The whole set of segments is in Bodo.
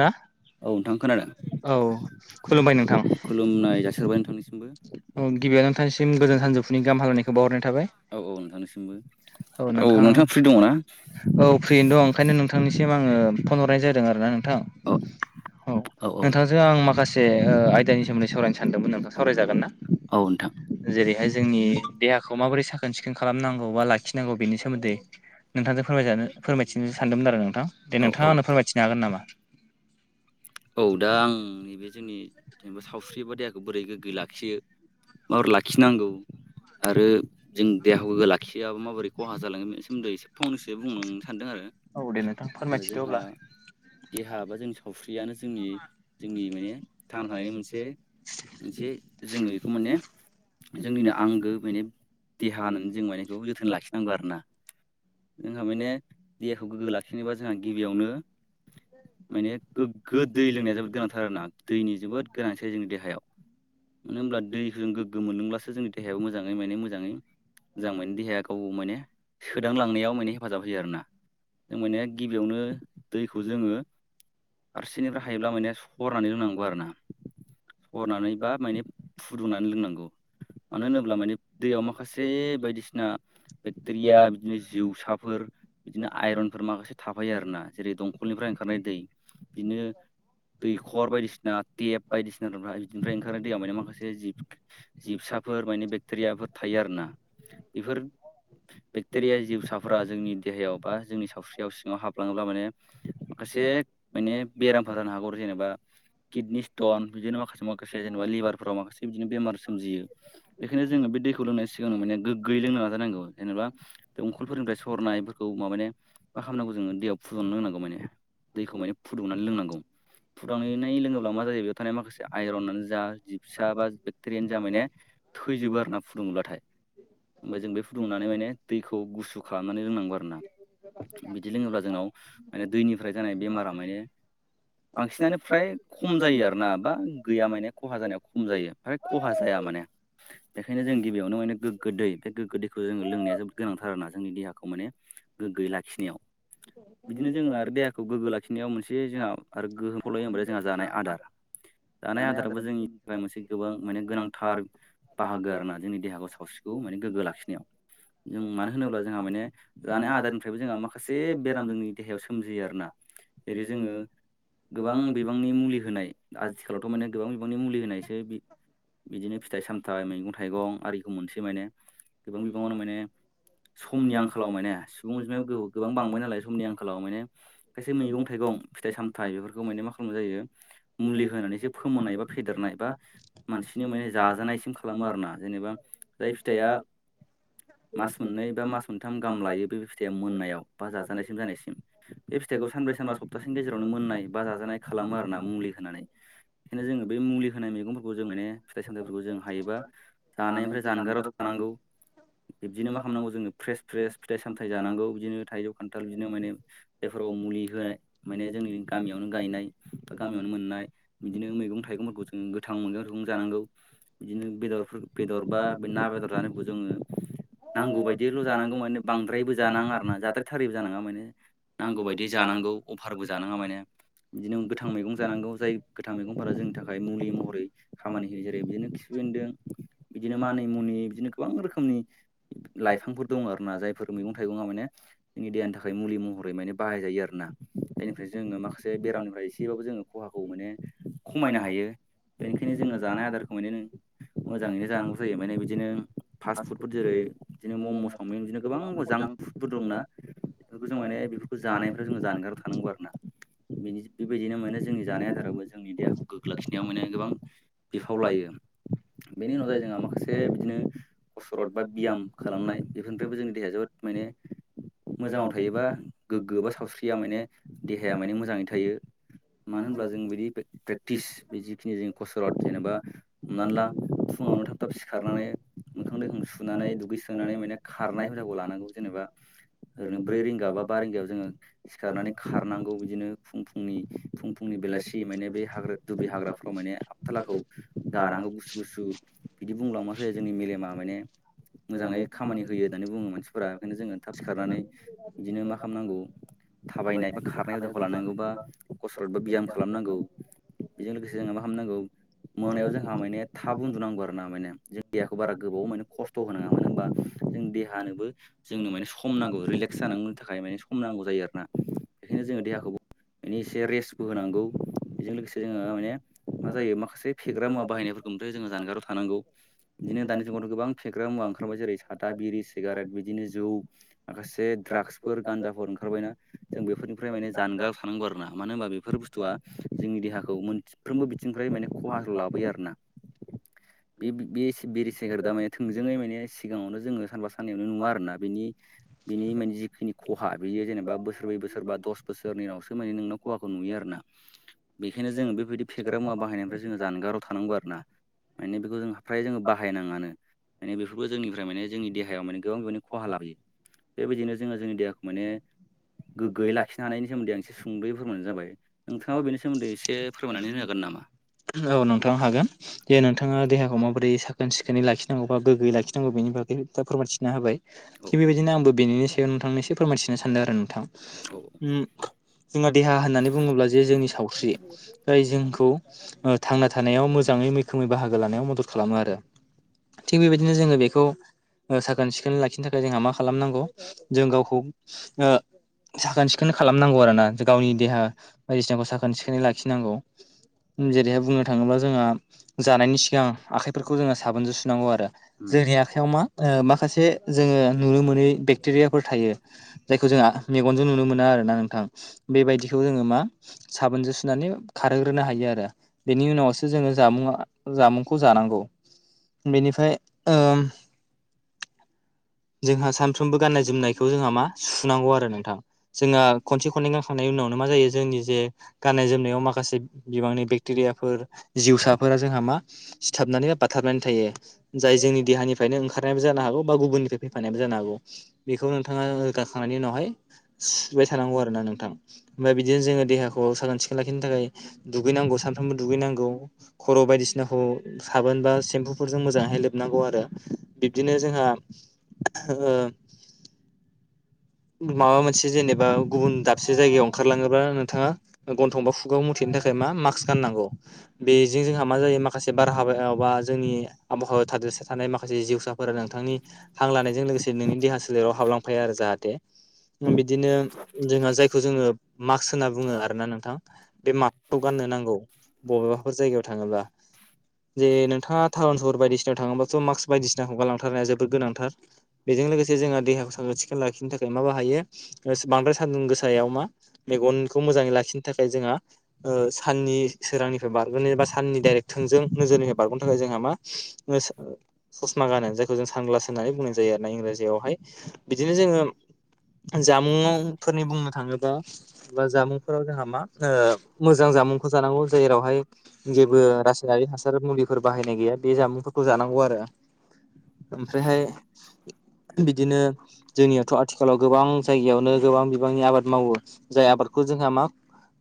ना औ नोंथां खोनादों खुलुमनाय जासिहरबाय नोंथांनिसि औ गिबियाव नोंथांसिम गोजान सानजौफुनि गाह हामलानायखौ बावहरनाय औ औ नोंथांनिसिमबो औ नोंथां औ फ्रियैनो दं ओंखायनो नोंथांनिसिम आंङो फन हरनाय जादों आरोना नोंथां औ नोंथांजों आं माखासे बे ओ आयदानि सोमोनदै सावरायनो सानदोंमोन नोंथां सावरायजागोन ना? औ नोंथां। जोंनि देहाखौ माबोरै साखोन सिखोन खालामनांगौबा लाखि नांगौ बेनि सोमोन्दै नोंथांजों फोरमायजानो फोरमायथिनो सानदोंमोन आरो नोंथां। दे नोंथांङा आंनो फोरमायथिनो हागोन नामा? औ दा आं नैबे जोंनि जेनेबा सावस्रि बा देहाखौ बोरै गोग्गोै लाख [inaudible] माब्रै लाखिनांगौ आरो जों देहाखौ गोग्गो लाखियाबा माबोरै खहा जालांङो बेनि सोमोन्दै एसे फंनैसो बुंनो सानदों आरो। औ दे नोंथां फोरमायथिदो अब्ला देहा बा जोंनि सावस्रि बेयानो जोंनि जोंनि माने थांना थानायनि मोनसे मोनसे जोङो बेखौ माने जोंनिनो आंगो माने देहा होननानै जों मानेखौ जोथोन लाखिनांगौ आरोना। जोंहा माने देहाखौ गोग्गो लाखिनोबा जोंहा गिबियावनो माने गोग्गो दै लोंनाया जोबोद गोनांथार आरोना दैनि जोबोद गोनांथि जोंनि देहायाव मानो होनोमब्ला दैखौ गोग्गो मोलोंब्लासो जोंनि देहाया मोजाङै माने मोजाङै मोजां माने देहाया गाव माने सोदांलांनायाव माने हेफाजाब होयो आरोना जों माने गिबियावनो दैखौ जोङो फारसेनिफ्राय हायोब्ला माने सरनानै लोंनांगौ आरोना सरनानै बा माने फुदुंनानै लोंनांगौ मानो होनोब्ला माने दैयाव माख खासे बायदिसिना बेक्टेरिया बिदिनो जिउसाफोर बिदिनो आइरनफोर माखासे थाफायो आरोना जेरै दंखलनिफ्राय ओंखारनाय दै बिनो दैखर बायदिसिना टेप बायदिसिना [unintelligible] बिदिनिफ्राय दैयाव माने माखासे जिब जिबसाफोर माने बेक्टेरियाफोर थायो आरो ना बेफोर बेक्टेरिया जिउसाफोरा जोंनि देहायाव बा जोंनि सावस्रियाव सिङाव हाबलाङोब्ला मानि एसे माने बेरामफोर जानो हागौ आरो जेनेबा किडनि स्टन बिदिनो माखासे मा जेनबा लिभाराव माखासे बिनो बेमार सोमजियो बेखायनो जोङो बे दै खौ लोंनायनि सिगांङाव माने गोग्गोयै लोंनो नाजानांगौ जेनेबा दंखलफोरनिफ्राय सरनायफोरखौ मा माने मा खामनांगौ जोङो दैयाव फुदुंनो लोंनांगौ माने दैखौ माने फुदुंनानै लोंनांगौ। फुदांनानै लोङोब्ला मा जायो बेयाव थानाय माखासे आयरनानो जा जा जिबसा बा बेकटेरियानो जा माने थैजोबो आरो ना ओमफाय जों बे फुदुंनानै माने दैखौ गुसु खालामनानै लोंनांगौ आरो ना बिदि लोङोब्ला जोंनाव माने दैनिफ्राय जानाय बेमारा माने बांसिनानो फ्राय खम जायो आरोना बा गैया माने खहा जानाया खम जायो खहा जाया माने बेनिखायनो जों गिबियावनो माने गोगो दै बे गोग्गो दैखौ जोङो लोंनाय जबो गोनांथार ना जोंनि देहाखौनो गोगो लाखिनायाव बिदिनो जोङो आरो देहाखौ गोग्गो लाखिनायाव मोनसे जोंहा आरो गोहोखौलाय जोंहा जानाय आदार जानाय आदाराबो जोंनि थाखाय मोनसे गोबां माने गोनांथार बाहागो। जोंना जोंनि देहाखौ सावस्रिखौ माने गोग्गो लाखिनायाव जों मानो होनोब्ला जोंहा माने जानाय आदारनिफ्रायबो जोंहा माखासे बेराम जोंनि देहायाव सोमजियो आरोना। जेरै जोङो गोबां बिबांनि मुलि होनाय आथिखालावथ' माने। गोबां बिबांनि मुलि होनायसै बिदिनो फिथाइ सामथाइ मैगं‌ थाइगं थाइगं आरिखौ मोनसेै माने गोबां बिबाङावनो माने समनि आंखालाव माने सुबुं अनजिमायाबो गोबां बांबाय नालाय समनि आंखालाव माने खायसे मैगं थाइगं फिथाइ सामथाइ बेफोरखौ माने मा खालामनाय जायो मुलि होनानै फोमोननाय बा फेदेरनाय बा मानसिनि माने जाजानायसिम खालामो आरो ना जेनेबा जाय फिथाया मास मोननै बा मास मोनथाम गाहाम लायो बे फिथाइया मोननायाव बा जाजानायसिम जानायसिम बे फिथाइखौ सानब्रै सानबा सप्तासेनि गेजेरावनो मोननाय बा जाजानाय खालामो आरोना मुलि होनानै ओंखायनो जों बे मुलि होनाय मैगंफोरखौ जों माने फिथाइ सामथायफोरखौ जों हायोबा जानायनिफ्राय जानगाराव थानांगौ बिब्दिनो मा खालामनांगौ जोंनो फ्रेस फ्रेस फिथाइ सामथाइ जानांगौ बिदिनो थाइजौ खान्थाल बिदिनो माने जायफोराव मुलि होनाय माने जोंनि गामियावनो गायनाय बा गामियावनो मोननाय बिदिनो मैगं थाइगंफोरखौ जोंङो गोथां मैगं रोखोमै जानांगौ बिदिनो बेदरफोर बेदर बा ना बेदर जानायखौ जोंङो नांगौ बायदिल' जानांगौ माने बांद्रायबो जानाङा आर ना जाद्राय थारैबो जानाङा माने नांगौ बायदि जानांगौ अफारबो जानाङा माने बिदिनो गोथां मैगं जानांगौ जाय गोथां मैगंफोरा जोंनि थाखाय मुलि महरै खामानि होयो जेरै बिदिनो खिनफि बेन्दो बिदिनो मानि मुनि बिदिनो गोबां रोखोमनि लाइफांफोर दं आरो ना जायफोर मैगं थाइगं माने जोंनि देहानि थाखाय मुलि महरै माने बाहाय जायो आरो ना। जायनिफ्राय जोंङो माखासे बेरामनिफ्राय एसेबाबो जोङो खहाखौ माने खमायनो हायो बेनिखायनो जोङो जानाय आदारखौ माने नों मोजाङैनो जानांगौ जायो माने बिदिनो फास्ट फुडफोर जेरै बिदिनो मम' सावमिन बिदिनो गोबां मोजां सुफोर दंना बेखौ जों माने बेफोरखौ जानायनिफ्राय जों जानगाराव थानांगौ आरो ना। बिनि बेबायदिनो मोनो जोंनि जानाय आदाराबो जों जोंनि देहाखौ गोग्लखिनायाव माने गोबां बिफाव लायो। बेनि उनाव जाय जोंहा माखासे बिदिनो कसरथ बा बियाम खालामनाय बेफोरनिफ्रायबो जोंनि देहाया जोबोद माने [inaudible] मोजाङाव थायोबा गोग्गो बा सावस्रिया माने देहाया माने मोजाङै थायो। मानो होनब्ला जों बिदि प्रेक्टिस बेखिनि जों कसरत जेनेबा हमनानै ला फुङावनो थाब थाब सिखारनानै मोखां दैखां सुनानै दुगैसोनानै माने खारनाय हुदाखौ लांगौ जों जेनेबा ओरैनो ब्रै रिंगा बा बा रिंगायाव जोंङो सिखारनानै खारनांगौ बिदिनो फुंनि फुं फुंनि बेलासि माने बे हाग्रा दुब्रि हाग्राफ्राव माने आपथालाखौ गानांगौ गुसु बिदि मोनोबला माने जोंनि मेलेमा माने मोजाङै खामानि होयो होननानै बुंङो मानसिफोरा ओंखायनो जोङो थाब सिखारनानै बिदिनो मा खालामनांगौ थाबायनाय बा खारनाय हुदाखौ लानांगौ बा कस्रद बा बियाम खालामनांगौ। बेजों लोगोसे जोंहा मा खालामामनांगौ मोनायाव जोंहा माने थाब उन्दुनांगौ आरो ना माने जों देहाखौ बारा गोबाव माने खस्थ' होनाङा मानो होनोबा जों देहानोबो जोंनो माने सम नांगौ रिलेक्स जानांगौनि थाखाय माने सम नांगौ जायो आरोना। बेखायनो जोङो देहाखौबो माने एसे रेस्टबो होनांगौ बेजों लोगोसे जोङो माने मा जायो माखासे फेग्रा मुवा बाहायनायफोरखौ ओमफाय जाराव थानांगौ बिदिनो दानि जुगावथ'बां फेग्रा मुवा ओंखारबाय जेरै सादा बिरि सिगेट बि बिदिनो जौ माखासे द्रागसफोर गान्दाफोर ओंखारबायना जों बेफोरनिफ्राय माने जानगार थानांगौ आरो ना मानो होनबा बेफोर बुस्थुआ जोंनि देहाखौ मोनफ्रोमबो बिथिंनिफ्राय माने खहा लाबोयो आरोना। [inaudible] बे बे बिरि जायगार दा माने थोंजोङै माने सिगाङावनो जोङो सानबा साननयावनो नुवा आरोना बेनि बिनि माने जिखिनि खहा बियो जेनेबा बोसोरब्रै बोसोरबा दस बोसोरनिनावसो माने नोंनाव खहाखौ नुयो आरो ना। बेखायनो जोंङो बेबायदि फेग्रा मुवा बाहायनायनिफ्राय जोंङो जानगाराव थानांगौ आरो ना। माने बेखौ जों फ्राय जोङो बाहायनाङानो। माने बेफोरखौबो जोंनिफ्राय माने जोंनि देहायाव माने गोबां बेानानि खहा लाबोयो। बेबायदिनो जोङो जोंनि देहाखौ माने गोग्गोयै लाखिनो हानायनि सोमोन्दै आं एसे सुंदै फोरमायानो जाबाय। [inaudible] औ नोंथां हागोन। दे नोंथाङा देहाखौ माबोरै साख ोन सिखोनै लाखिनांगौा गो्गयै लाखिनांगौनि बागै दा फोरमानथिनो हाबाय थिग बेबायदिनो आंबो बेनिनो बे नोंथांनि एसे फोरमायथिनो सानदों आरो नोंथां। उम जोंहा देहा होननानै बुङोब्ला जे जोंनि सावस्रि जाय जों खौ ओ थांना थानायाव मोजाङै मैखोमै बाहागो लानायाव मदद खालामो आरो। थिग बेबायदिनो जोङो बेखौ ओ साखोन सिखोनै लाखिनो थाखाय जोंहा मा खालामनांगौ जों गावखौ ओ साखोन सिखोनै खालामनांगौ आरो ना। गावनि देहा बायदिसिनाखौ साखोन सिखोनै लाखिनांगौ जेरैहाय बुंनो थाङोब्ला जोंहा जानायनि सिगां आखाइफोरखौ जोङो साबोनजों सुनांगौ आरो जोंनि आखाइयाव मा माख ासे जोङो नुनो मोनै बेक्टेरियाफोर थायो। जायखौ जोंहा मेगनजों नुनो मोनो आरोना नोंथां बेबायदिखौ जोङो मा साबोनजों सुनानै खारहोग्रोनो हायो आरो बेनि उनावसो जोङो जामुंआ जामुंखौ जानांगौ। बेनिफाय ओ [inaudible] जोंहा सानफ्रोमबो गाननाय जोमनाय खौ जोंहा मा सुनांगौ आरो नोंथां। जोंहा खनसे खनै गानखांनायनि उनावनो मा जायो जोंनि जे गा नाय जोमनायाव माखासे बिबांनि बेक्टेरियाफोर जिउसाफोरा जोंहा मा सिथाबनानै बाथाबनानै थायो। जाय जोंनि देहानिफ्रायनो ओंखार नाय बो जानो हागौ बा गुबुननिफ्राय फैफानायाबो जानो हागौ। बेखौ नोंथाङा रोगाखांनायनि उनावहाय सुबाय थानांगौ आरोना नोंथां। ओमफ्राय बिदिनो जोङो देहाखौ साखोन सिखोन लाखिनो थाखाय दुगैनांगौ सानफ्रोमबो दुगैनांगौ खर' बायदिसिनाखौ साबोन बा सेम्पुफोरजों मोजांहाय लोबनांगौ आरो बिब्दिनो जोंहा हो ओ माबा मोनसे जेनेबा गुबुन दाबसे जायगायाव ओंखारलाङोबा नोंथाङा गन्थं बा खुगायाव मुथेनो थाखाय मा मास्क गाननांगौ। बेजों जोंहा मा जायो माखासे बारहावायाव बा जोंनि आबहावायाव थादोरसा थानाय माखासे जिउसा फोर नोंथांनि हां लानायजों लोगोसे नोंनि देहा सोलेराव हाबलांफाया आरो जाहाथे। बिदिनो जोंहा जायखौ जोङो मास्कस होनना बुङो आरोना नोंथां बे मा क्सखौ गाननो नांगौ बबेबाफोर जायगायाव थाङोबा। जे नोंथाङा टाउन सहर बायदिसिनाव थाङोबाथ' मास्क बायदिसिनाखौ गानलांथारनाया जोबोर गोनांथार। बेजों लोगोसे जोंहा देहाखौ साखोन सिखोन लाखिनो थाखाय जों मा बाहायो बांद्राय सान्दुं गोसायाव मा मेगनखौ मोजाङै लाखिनो थाखाय जोंहा ओ साननि सोरांनिफ्राय बारग'नो बा साननि डाइरेक्ट थोंजों नोजोरनिफ्राय बारग'नो थाखाय जों जोंहा मा ओ सो-ससमा गानो जायखौ जों सानग्लास होननानै बुंनाय जायो आरोना इंराजियावहाय। बिदिनो जोङो जामुङावफोरनि बुंनो थाङोबा बा जामुंफोराव जोंहा मा ओ मोजां जामुंखौ जानांगौ जेरावहाय जेबो रासायनारि हासार मुलिफोर बाहायनाय गैया। बे जामुंफोरखौ जानां गौ आरो ओमफ्रायहाय बिदिनो जोंनियावथ' आथिखालाव गोबां जायगायावनो गोबां बिबांनि आबाद मावो। जाय आबादखौ जोंहा मा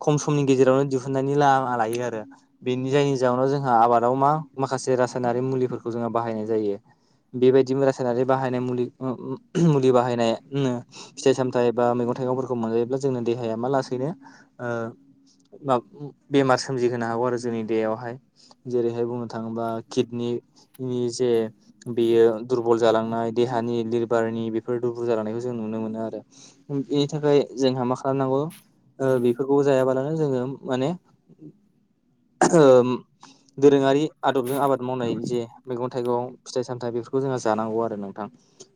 खम समनि गेजेरावनो दिहुननायनि लामा लायो आरो, बेनि जायनि जाहोनाव जोंहा आबादाव मा माखासे जे रासायनारि मुलिफोरखौ जोङो बाहायनाय जायो। बेबायदिनो रासायनारि बाहायनाय मुलि आ अम मुलि बाहायनाय उम ओ फिथाइ सामथाय बा मैगं थाइगंफोरखौ मोनजायोब्ला जोंनो देहाया मा लासैनो ओ मा बेमार सोमजिहो हागौ आरो जोंनि देहायावहाय जेरैहाय बुंनो थाङोबा किदनि नि जे बेयो दुरबल जालांनाय देहानि लि बारनि बेफोर दुुबुर जानायखौ जों नुनो मोनो आरो। इनि थाखाय जोंहा मा खालामनांगौ ओ बेफोरखौ जायाबालानो जोङो माने ओह दोरोङारि आदबजों आबाद मावनाय जे मैगं थाइगं फिथाइ सामथायाइ बेफोरखौ जोंहा जानांगौ आरो नोंथां।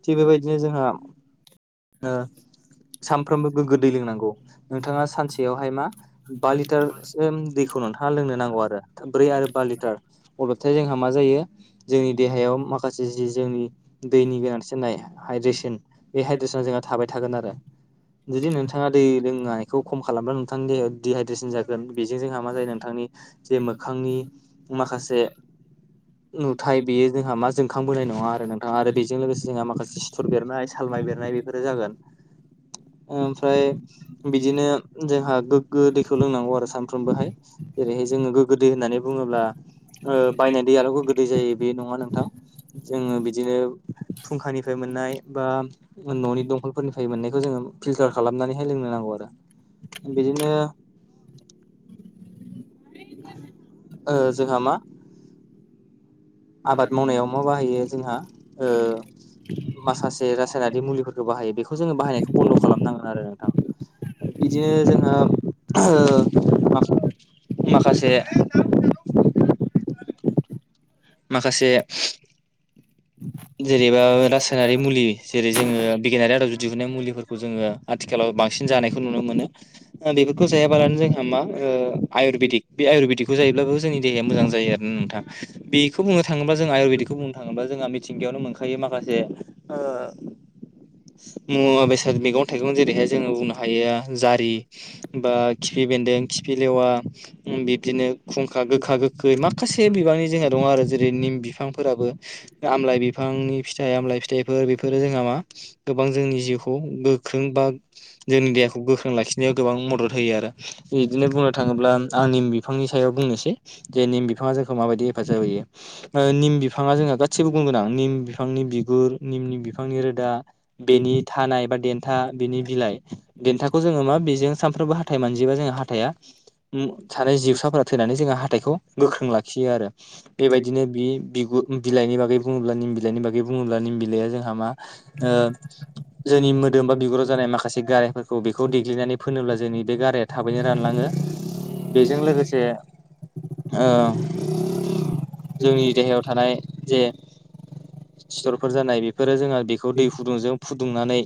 थिग बेबायदिनो जोंहा ओ सानफ्रोमबो गोग्गो दै लोंनांगौ नोंथाङा सानसेयावहाय मा बा लिटार सेम दैखौ नोंथा ङा लोंनो नांगौ आरो, ब्रै आरो बा लिटार अब्लाथाय जोंहा मा जायो जोंनि देहायाव माखासे जि जोंनि दैनि गोनांथि जानाय हायद्रेसन बे हाइद्रेसना जोंहा थाबाय थागोन आरो। जुदि नोंथाङा दै लोंनायखौ खम खालामबा नोंथांनि दिहाइद्रेसन जागोन बेजों जोंहा मा जायो नोंथांनि जे मोखांनि माखासे नुथाय बेयो जोंहा मा जोंखांबोनाय नङा आरो नोंथाङा आरो बेजों लोगोसे जोंहा माखासे सिथर बेरनाय [unintelligible] बेरनाय बेफोरो जागोन। ओमफ्राय बिदिनो जोंहा गोगो दैखौ लोंनांगौ आरो सानफ्रोमबोहाय जेरैहाय जोङो गोगो दै होननानै बुङोब्ला ओ बायनाय दैयाल'बो गोदै जायो बे नङा नोंथां। जोङो बिदिनो फुंखानिफ्राय मोननाय बा न'नि दंखलफोरनिफ्राय मोननायखौ जोङो फिल्टार खालामनानैहाय लोंनो नांगौ आरो। बिदिनो ओ जोंहा मा आबाद मावनायाव मा बाहायो जोंहा ओ माखासे रासायनारि मुलिफोरखौ बाहायो बेखौ जोङो बाहायनायखौ बन्द' खालामनांगोन आरो नोंथां। बिदि बिदिनो जोंहा [unintelligible] मा माखासे [unintelligible] माखासे जेनैबा रासायनारि मुलि जेरै जोङो बिगियानारि आदाव जों दिहुननाय मुलिफोरखौ जोङो आथिखालाव बांसिन जानायखौ नुनो मोनो बेफोरखौ जायाबालानो जोंहा मा आयुरवेदिक बे आयुरवेदिकखौ जायोब्लाबो जोंनि देहाया मोजां जायो आरोना नोंथा बेखौ बुंनो थाङोबा जों आयुरवेदिकखौ बुंनो थाङोबा जोंहा मिथिंगायावनो मोनखायो माखासे ओ मुवा बेसाद मैगं थाइगं जेरैहाय जोङो बुंनो हायो जारि बा खिफि बेन्दों खि फिलेवा बिबदिनो खुंखा गोखा गोखै माखासे बिबांनि जोंहा दङ आरो जेरै निम बिफांफोराबो आमलाइ बिफांनि फिथाइ आमलाय फिथाइफोर बेफोरो जोंहा मा गोबां जोंनि जिउखौ गोख्रों बा जोंनि देहाखौ गोख्रों लाखिनायाव गोबां मदद होयो आरो बिदिनो बुंनो थाङोब्ला आं निम बिफांनि सायाव बुंनोसै जे निम बिफां ङा जोंखौ माबायदि हेफाजाब होयो ओ निम बिफाङा जोंहा गासैबो गुन गोनां निम बिफांनि बिगुर निम निम बिफांनि रोदा बेनि थानाय बा देन्था बेनि बिलाइ देन्थाखौ जोङो मा बेजों जों सानफ्रोमबो हाथाय मानजिबा जोंहा हाथाया थानाय जिउसाफोरा थैनानै जोंहा हाथाइखौ गोख्रों लाखियो आरो बेबायदिनो बि बिगुर बिलाइनि बागै बुङोब्ला निम बिलाइनि बागै बुङोब्ला निम बिलाया जोंहा मा ओ जोंनि मोदोम बा बिगुराव जानाय माखासे गारायफोरखौ बेखौ देग्लिनानै फोनोब्ला जोंनि बे गाराया थाबैनो रानलाङो बेजों लोगोसे ओ जोंनि देहायाव थानाय जे सिथरफोर जानाय बेफोरो जोंहा बेखौ दै फुदुंजों फुदुंनानै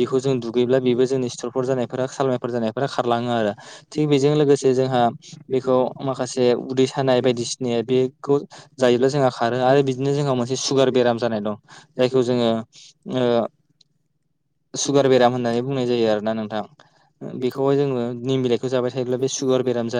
जिखौ जों दुगैब्ला बेबो बे जोंनि सिथरफोर जानायफोरा सालमायफोर जानायफोरा खारलाङो आरो थिग बेजों लोगोसे जोंहा बेखौ माखासे उदै सानाय बायदिसिनाया बेखौ जायोब्ला जोंहा खारो आरो बिदिनो जोंहा मोनसे सुगार बेराम जानाय दं जायखौ जोङो ओ सुगार बेराम होननानै बुंनाय जायो आरो ना नोंथां बेखौहाय जोङो निम बिलाइखौ जाबाय थायोब्ला बे सुगार बेराम जा